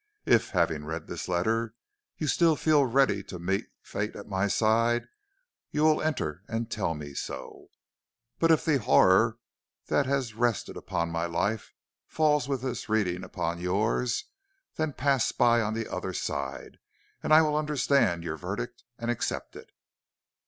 If, having read this letter, you still feel ready to meet fate at my side, you will enter and tell me so. But if the horror that has rested upon my life falls with this reading upon yours, then pass by on the other side, and I will understand your verdict and accept it.